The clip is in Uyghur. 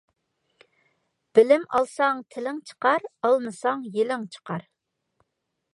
بىلىم ئالساڭ تىلىڭ چىقار، ئالمىساڭ يېلىڭ چىقار.